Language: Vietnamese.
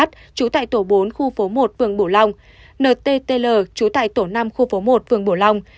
trú tại tổ bốn khu phố một phường bửu long nttl trú tại tổ năm khu phố một phường bửu long